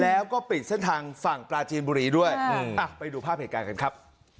แล้วก็ปิดเส้นทางฝั่งปลาจีนบุรีด้วยไปดูภาพเหตุการณ์กันครับ